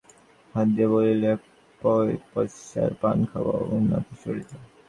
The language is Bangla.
হাত দিয়া বলিল, এক পযসার পান খাওয়াও না কিশোরীদা?